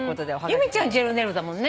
由美ちゃんジェルネイルだもんね。